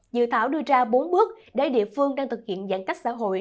dự thảo đưa ra bốn bước để địa phương đang thực hiện giãn cách xã hội